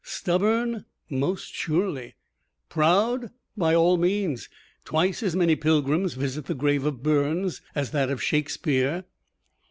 Stubborn? Most surely. Proud? By all means. Twice as many pilgrims visit the grave of Burns as that of Shakespeare.